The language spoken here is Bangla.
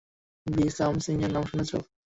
ভিসাম সিংয়ের নাম শুনেছ?